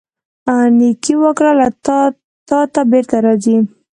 نیکۍ وکړه، له تا ته بیرته راځي.